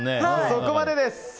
そこまでです。